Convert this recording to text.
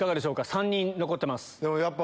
３人残ってます。